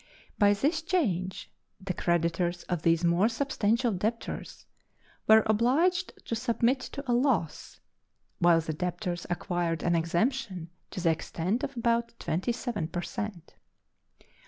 By this change the creditors of these more substantial debtors were obliged to submit to a loss, while the debtors acquired an exemption to the extent of about 27 per cent.